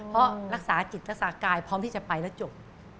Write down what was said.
เพราะรักษาจิตศากายพร้อมที่จะไปแล้วจบ